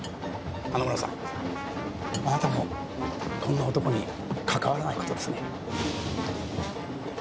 花村さんあなたもこんな男にかかわらない事ですね。